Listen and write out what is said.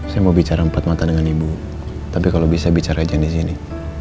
saya mau bicara empat mata dengan ibu tapi kalau bisa bicara saja di sini